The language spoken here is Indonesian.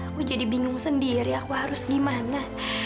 aku jadi bingung sendiri aku harus gimana